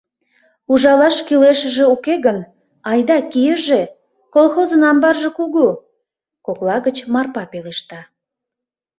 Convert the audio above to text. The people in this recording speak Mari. — Ужалаш кӱлешыже уке гын, айда кийыже, колхозын амбарже кугу, — кокла гыч Марпа пелешта.